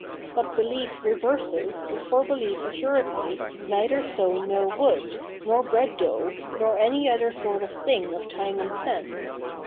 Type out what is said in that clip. What behef reveres is for behef assuredly neither stone nor wood, nor bread dough, nor any other sort of thing of time and sense.